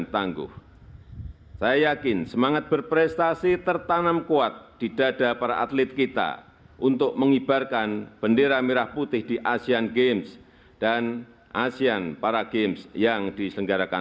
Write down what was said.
tanda kebesaran buka hormat senjata